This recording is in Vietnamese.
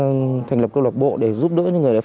có những cái thành lập cơ lộc bộ để giúp đỡ những người đẹp